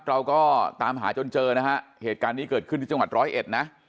เราก็ตามหาจนเจอนะฮะเหตุการณ์นี้เกิดขึ้นที่จังหวัดร้อยเอ็ดนะ